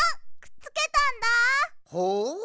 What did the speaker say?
ほう！